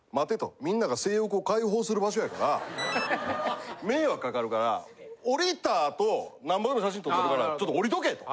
みんなが性欲を解放する場所やから迷惑かかるからおりた後なんぼでも写真撮ったるからちょっとおりとけと。